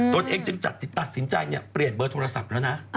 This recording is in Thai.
ตัวเองจึงตัดสินใจเปลี่ยนเบอร์โทรศัพท์แล้วนะ